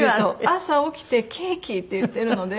朝起きて「ケーキ」って言ってるので。